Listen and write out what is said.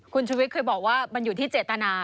คุณชุวิตเคยบอกว่ามันอยู่ที่เจตนา